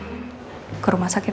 kok kamu belum pergi juga ke rumah sakit